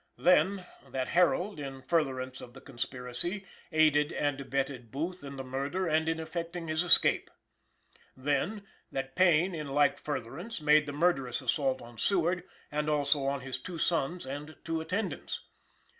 Then, that Herold, in furtherance of the conspiracy, aided and abetted Booth in the murder, and in effecting his escape. Then, that Payne, in like furtherance, made the murderous assault on Seward and also on his two sons and two attendants.